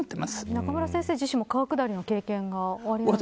中村先生自身も川下りの経験がおありなんですね。